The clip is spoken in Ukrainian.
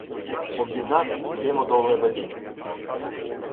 Об'єднавшись, ідемо до Лебедина.